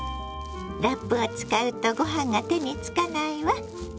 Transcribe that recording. ラップを使うとご飯が手につかないわ。